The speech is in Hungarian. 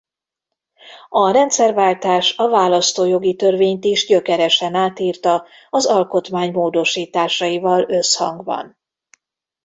A rendszerváltás a választójogi törvényt is gyökeresen átírta az alkotmány módosításaival összhangban.